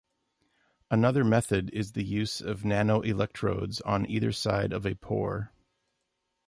Another method is the use of nanoelectrodes on either side of a pore.